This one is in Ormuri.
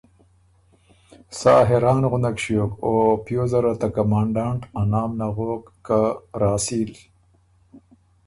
سا حېران غُندک ګه ݭیوک او پیوزه ره ته کمانډانټ ا نام نغوک که ”راسیل“۔